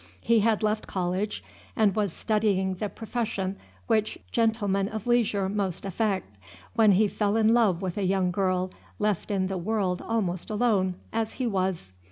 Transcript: He had left college, and was studying the profession which gentlemen of leisure most affect, when he fell in love with a young girl left in the world almost alone, as he was.